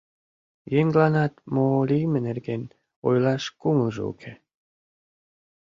Еҥланат мо лийме нерген ойлаш кумылжо уке.